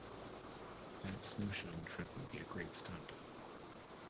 That snowshoeing trip would be a great stunt.